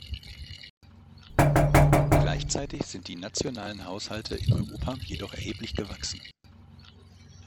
Gleichzeitig sind die nationalen Haushalte in Europa jedoch erheblich gewachsen.